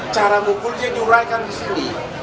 cara mukulnya diuraikan di sini